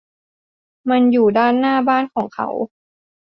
มันอยู่ด้านหน้าบ้านของเขา